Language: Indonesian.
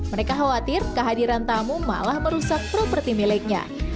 mereka khawatir kehadiran tamu malah merusak properti miliknya